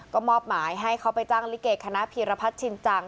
ก็มอบหมายให้เขาไปจ้างลิเกคณะพีรพัฒน์ชินจัง